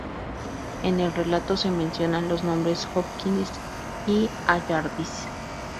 En el relato, se mencionan los nombres Hopkins y Allardyce.